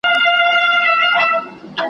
د افغانستان د فرهنګ `